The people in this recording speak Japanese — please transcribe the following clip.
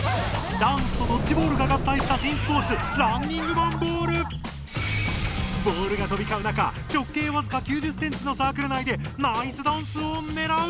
ダンスとドッジボールが合体した新スポーツボールがとびかう中直径わずか９０センチのサークル内でナイスダンスをねらう！